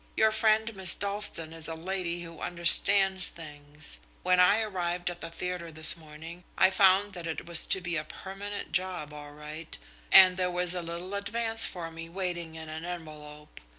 "Your friend Miss Dalstan is a lady who understands things. When I arrived at the theatre this morning I found that it was to be a permanent job all right, and there was a little advance for me waiting in an envelope.